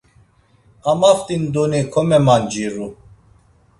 Amaft̆i nduni komemanciru.